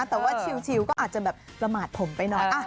แต่ว่าชิลก็อาจจะแบบประมาทผมไปหน่อย